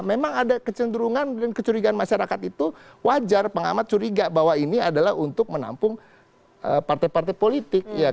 memang ada kecenderungan dan kecurigaan masyarakat itu wajar pengamat curiga bahwa ini adalah untuk menampung partai partai politik